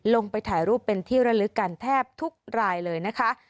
ลงไปถ่ายรูปเป็นที่ระลึกกันแทบทุกรายเลยนะคะ